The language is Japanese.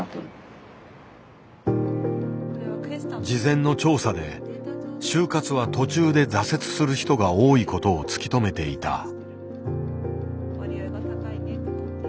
事前の調査で「終活」は途中で挫折する人が多いことを突き止めていた。